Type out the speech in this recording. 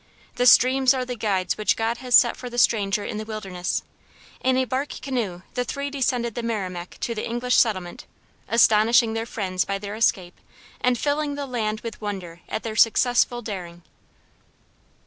The streams are the guides which God has set for the stranger in the wilderness: in a bark canoe the three descend the Merrimac to the English settlement, astonishing their friends by their escape and filling the land with wonder at their successful daring."